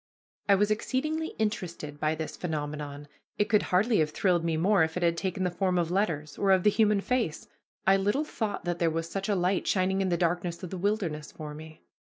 I was exceedingly interested by this phenomenon. It could hardly have thrilled me more if it had taken the form of letters, or of the human face. I little thought that there was such a light shining in the darkness of the wilderness for me.